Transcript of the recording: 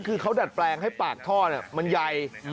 คือเขาดัดแปลงให้ปากท่อมันใหญ่